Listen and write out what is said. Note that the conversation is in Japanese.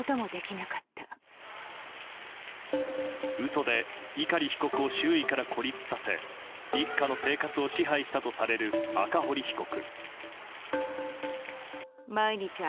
嘘で碇被告を周囲から孤立させ一家の生活を支配したとされる赤堀被告。